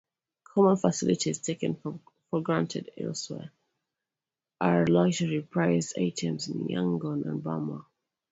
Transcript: Common facilities taken for granted elsewhere are luxury prized items in Yangon and Burma.